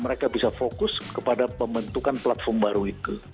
mereka bisa fokus kepada pembentukan platform baru itu